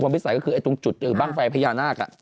วิสัยก็คือบางไฟพัทยานาค